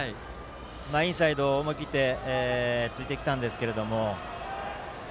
インサイドを思い切って突いてきたんですが。